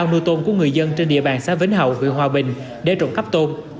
thạch mước đã trộn tôn của người dân trên địa bàn xã vĩnh hậu huyện hòa bình để trộn cắp tôn